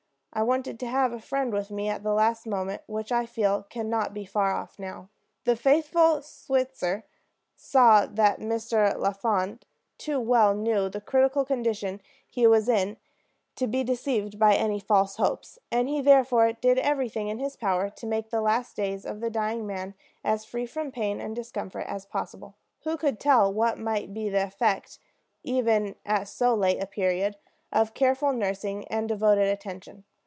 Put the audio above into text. I wanted to have a true friend with me at the last moment which I feel can not be far off now." The faithful Switzer saw that Mr. Lafond too well knew the critical condition he was in to be deceived by any false hopes, and he therefore did everything in his power to make the last days of the dying man as free from pain and discomfort as possible. Who could tell what might be the effect, even at so late a period, of careful nursing and devoted attention?